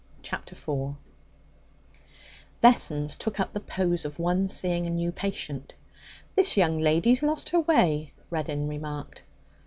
Chapter 4 Vessons took up the pose of one seeing a new patient. 'This young lady's lost her way,' Reddin remarked.